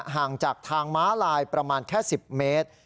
ห่างจากทางม้าลายประมาณแค่๑๐เมตร